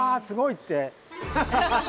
すごいって。